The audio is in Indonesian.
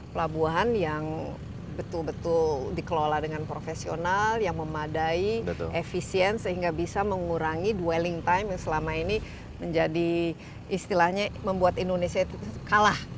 pelabuhan yang betul betul dikelola dengan profesional yang memadai efisien sehingga bisa mengurangi dwelling time yang selama ini menjadi istilahnya membuat indonesia itu kalah